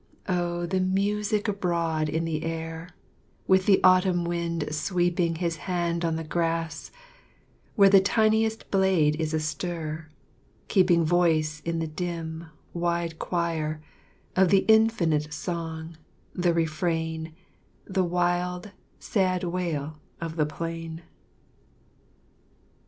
O the music abroad in the air, With the autumn wind sweeping His hand on the grass, where The tiniest blade is astir, keeping Voice in the dim, wide choir, Of the infinite song, the refrain, The wild, sad wail of the plain